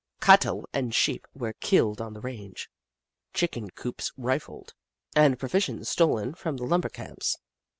Cattle and sheep were killed on the range, chicken coops rifled, and provisions stolen from the lumber camps.